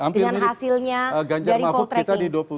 dengan hasilnya dari poll tracking